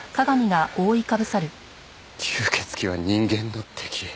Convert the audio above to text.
吸血鬼は人間の敵。